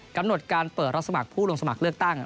กำหนดการเปิดรับสมัครผู้ลงสมัครเลือกตั้ง